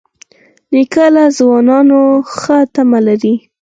نیکه له ځوانانو ښه تمه لري.